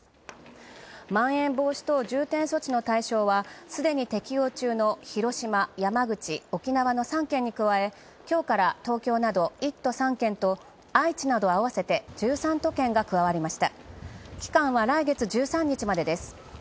まん延防止等重点措置の対象はすでに適用中の広島、山口、沖縄の３県に加え、今日から東京など１都３県など、愛知など１３都県が加わりました期間は来月１３日までです。